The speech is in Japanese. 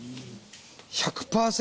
１００％